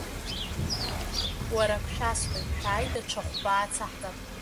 Уара, ак шәасҳәоит, шәааи даҽа хәба ацаҳҵап!